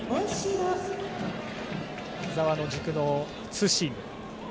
木澤の軸のツーシーム。